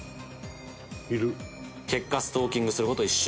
「結果ストーキングする事１週間」